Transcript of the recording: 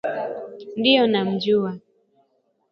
Ndio namjua